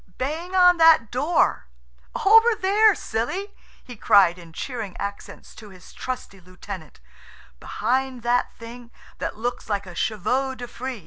"Bang on that door–over there, silly!" he cried, in cheering accents, to his trusty lieutenant; "behind that thing that looks like a chevaux de frize."